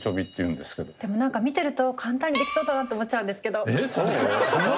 でも何か見てると簡単にできそうだなって思っちゃうんですけど。